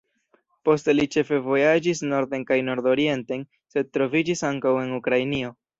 Poste li ĉefe vojaĝis norden kaj nordorienten, sed troviĝis ankaŭ en Ukrainio.